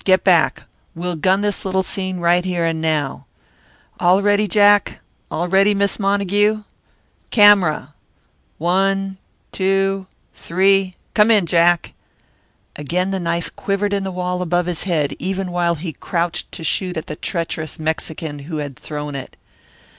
Get back. We'll gun this little scene right here and now. All ready, Jack, all ready Miss Montague camera! one, two, three come in, Jack." Again the knife quivered in the wall above his head even while he crouched to shoot at the treacherous Mexican who had thrown it.